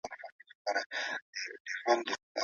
د وزن کنټرول لپاره دوه وخته ډوډۍ خورم.